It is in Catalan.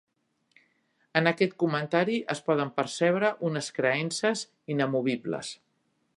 En aquest comentari es poden percebre unes creences inamovibles.